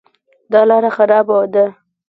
دا لاره خرابه ده